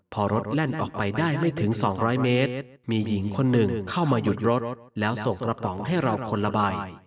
พอรถแล่นออกไปได้ไม่ถึง๒๐๐เมตรมีหญิงคนหนึ่งเข้ามาหยุดรถแล้วส่งกระป๋องให้เราคนละใบ